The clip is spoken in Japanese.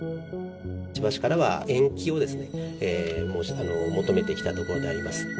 千葉市からは延期を求めてきたところであります。